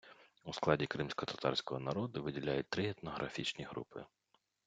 У складі кримськотатарського народу виділяють три етнографічні групи.